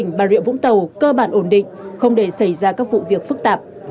công an tỉnh bà rịa úng tàu cơ bản ổn định không để xảy ra các vụ việc phức tạp